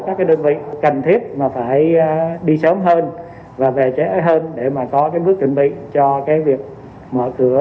các cái đơn vị cần thiết mà phải đi sớm hơn và về trái hơn để mà có cái bước chuẩn bị cho cái việc mở cửa